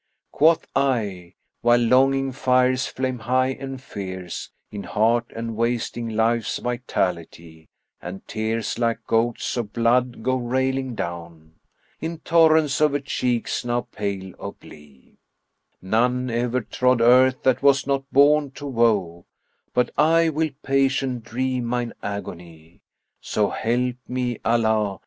Quoth I (while longing fires flame high and fierce * In heart, and wasting life's vitality, And tears like gouts of blood go railing down * In torrents over cheeks now pale of blee), 'None e'er trod earth that was not born to woe, * But I will patient dree mine agony, So help me Allah!